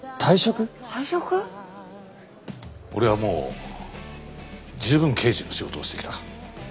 俺はもう十分刑事の仕事をしてきた。